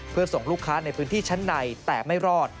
เพื่อส่งลูกค้าในพื้นที่ชั้นในแต่ไม่รอด